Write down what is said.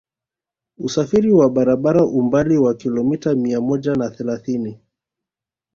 Usafiri wa barabara umbali wa kilomita mia moja na thelathini